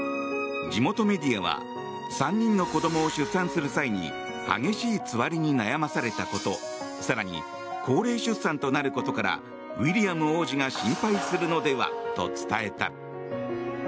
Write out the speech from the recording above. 地元メディアは３人の子供を出産する際に激しいつわりに悩まされたこと更に高齢出産となることからウィリアム王子が心配するのではと伝えた。